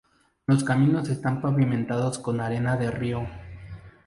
Los caminos están pavimentados con arena de río.